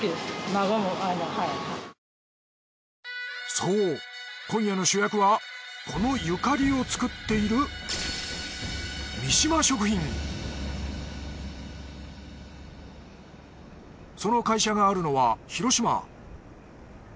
そう今夜の主役はこのゆかりを作っているその会社があるのは広島。